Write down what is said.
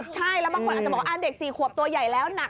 ใช่แล้วบางคนอาจจะบอกว่าเด็ก๔ขวบตัวใหญ่แล้วหนัก